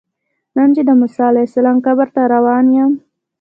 نن چې د موسی علیه السلام قبر ته روان یم.